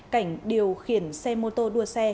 cảnh điều khiển xe mô tô đua xe